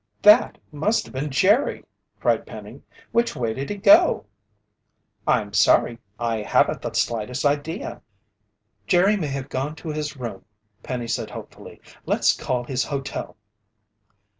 "That must have been Jerry!" cried Penny. "Which way did he go?" "I'm sorry, I haven't the slightest idea." "Jerry may have gone to his room," Penny said hopefully. "Let's call his hotel."